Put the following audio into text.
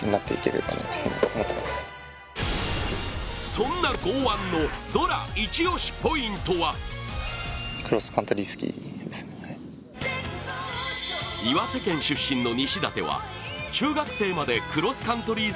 そんな剛腕のドラ★イチ推しポイントは岩手県出身の西舘は中学生までクロスカントリー